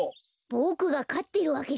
ボクがかってるわけじゃないってば。